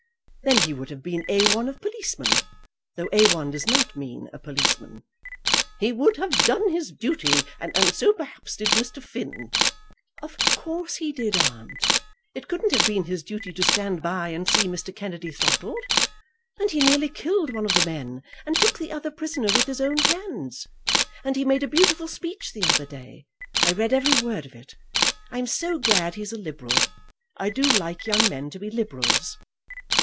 "Then he would have been A 1 of policemen, though A 1 does not mean a policeman." "He would have done his duty, and so perhaps did Mr. Finn." "Of course he did, aunt. It couldn't have been his duty to stand by and see Mr. Kennedy throttled. And he nearly killed one of the men, and took the other prisoner with his own hands. And he made a beautiful speech the other day. I read every word of it. I am so glad he's a Liberal. I do like young men to be Liberals."